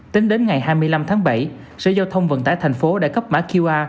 tính đến ngày hai mươi năm tháng bảy sở giao thông vận tải thành phố đã cấp mã qr